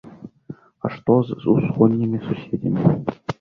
А што з усходнімі суседзямі?